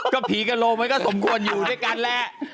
ก็ผีกระโลมันก็สมควรอยู่ด้วยกันแหละ